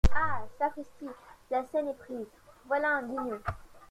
Ah ! sapristi ! la Seine est prise !… voilà un guignon !